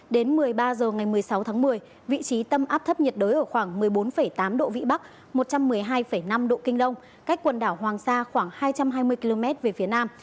đến một mươi ba h ngày một mươi sáu tháng một mươi vị trí tâm áp thấp nhiệt đới ở khoảng một mươi bốn tám độ vĩ bắc một trăm một mươi hai năm độ kinh đông cách quần đảo hoàng sa khoảng hai trăm hai mươi km về phía nam